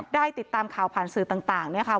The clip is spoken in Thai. ได้ติดตามข่าวผ่านสื่อต่างเนี่ยค่ะ